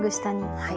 はい。